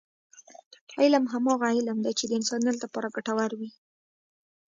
علم هماغه علم دی، چې د انسانیت لپاره ګټور وي.